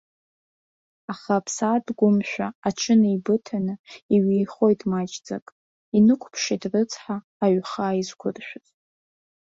Аха аԥсаатә гәымшәа, аҽынеибыҭаны, иҩеихоит маҷӡак, инықәԥшит, рыцҳа, аҩхаа изқәыршәыз.